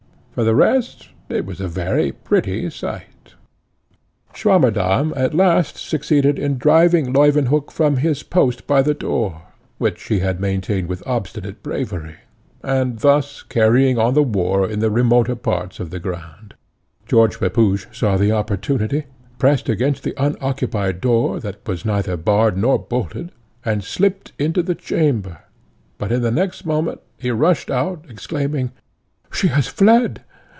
For the rest, it was a very pretty sight. Swammerdamm at last succeeded in driving Leuwenhock from his post by the door, which he had maintained with obstinate bravery, and thus carrying on the war in the remoter parts of the ground. George Pepusch saw the opportunity, pressed against the unoccupied door, that was neither barred nor bolted, and slipped into the chamber, but in the next moment he rushed out, exclaiming, "She has fled!